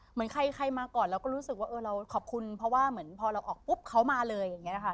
เหมือนใครมาก่อนเราก็รู้สึกว่าเออเราขอบคุณเพราะว่าเหมือนพอเราออกปุ๊บเขามาเลยอย่างนี้นะคะ